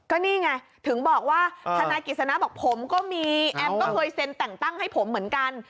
ว่าธนายกิจสนาบอกผมก็มีแอมก็เคยเซ็นแต่งตั้งให้ผมเหมือนกัน